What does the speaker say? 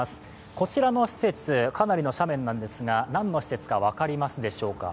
こちらの施設、かなりの斜面ですが何の施設か分かりますでしょうか。